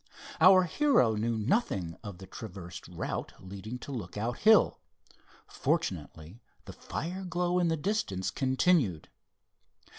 Our hero knew nothing of the traversed route leading to Lookout Hill. Fortunately the fire glow in the distance continued.